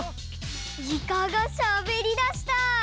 イカがしゃべりだした！